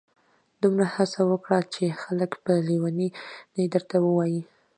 دومره هڅه وکړه چي خلک په لیوني درته ووایي.